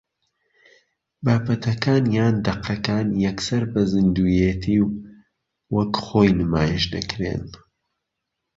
بابەتەکان یان دەقەکان یەکسەر بە زیندووێتی و وەک خۆی نمایش دەکرێن